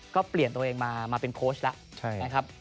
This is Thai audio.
ก็เปลี่ยนตัวเองมาเป็นโค้ชแล้วนะครับ